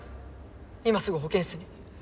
今すぐ保健室に。